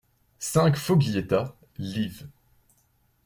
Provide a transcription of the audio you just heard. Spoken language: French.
cinq Foglietta, liv.